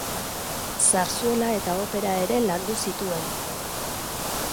Zarzuela eta opera ere landu zituen.